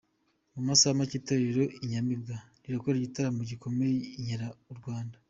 Mu masaha macye Itorero Inyamibwa rirakora igitaramo gikomeye 'Inkera i Rwanda'